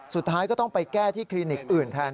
สุดท้ายก็ต้องไปแก้ที่คลินิกอื่นแทน